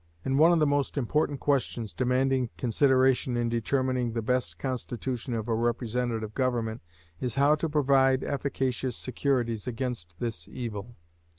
And one of the most important questions demanding consideration in determining the best constitution of a representative government is how to provide efficacious securities against this evil.